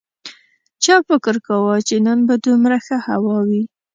چا فکر کاوه چې نن به دومره ښه هوا وي